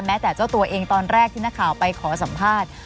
แม้แต่เจ้าตัวเองตอนแรกที่นักข่าวไปขอสัมภาษณ์